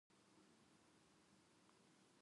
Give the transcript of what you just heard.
「花より団子」って言うけど、やっぱり綺麗な花も楽しみたいよ。